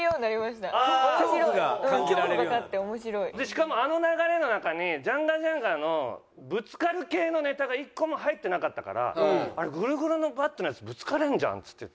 しかもあの流れの中に「ジャンガジャンガ」のぶつかる系のネタが１個も入ってなかったから「あれグルグルのバットのやつぶつかれるじゃん」っつって。